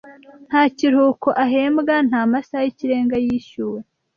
nta kiruhuko ahembwa nta masaha y'ikirenga yishyuwe.